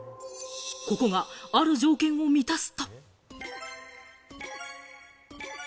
ここがある条件を満たすと。